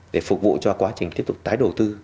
để phục vụ cho quá trình tiếp tục tái đầu tư